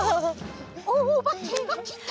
おばけがきた！